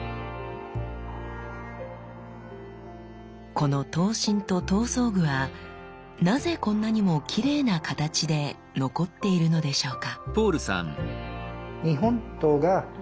この刀身と刀装具はなぜこんなにもきれいな形で残っているのでしょうか？